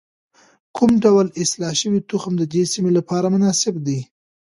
کوم ډول اصلاح شوی تخم د دې سیمې لپاره مناسب دی؟